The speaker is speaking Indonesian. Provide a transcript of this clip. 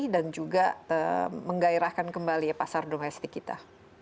dan juga menggairahkan kembali ya pasar domestik kita